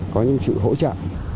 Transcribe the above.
có những sự hỗ trợ